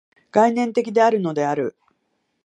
概念的であるのである。